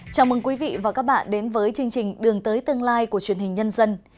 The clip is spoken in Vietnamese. thưa quý vị và các bạn đến với chương trình đường tới tương lai của truyền hình nhân dân